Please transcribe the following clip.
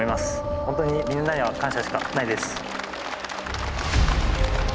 ホントにみんなには感謝しかないです。